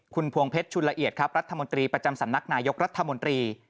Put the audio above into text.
คุณพวงเพชรชุนละเอียดครับรัฐมนตรีประจำสำนักนายกรัฐมนตรี